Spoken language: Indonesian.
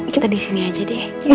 kita disini aja deh